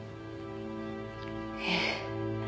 ええ。